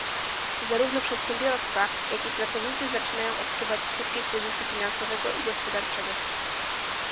Zarówno przedsiębiorstwa, jak i pracownicy zaczynają odczuwać skutki kryzysu finansowego i gospodarczego